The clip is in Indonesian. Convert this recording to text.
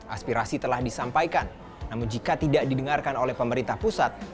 aspirasi telah disampaikan namun jika tidak didengarkan oleh pemerintah pusat